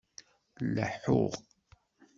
Laḥuɣ